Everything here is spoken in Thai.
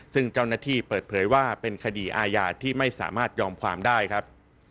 ซึ่งเจ้าหน้าที่เปิดเผยว่าเป็นคดีอาญาที่ไม่สามารถยอมความได้ครับ